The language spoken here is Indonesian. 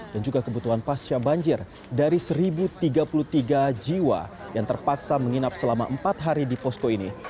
dan juga kebutuhan pasca banjir dari seribu tiga puluh tiga jiwa yang terpaksa menginap selama empat hari di posko ini